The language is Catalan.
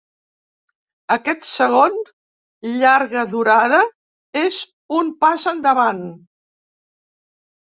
Aquest segon llarga durada és un pas endavant.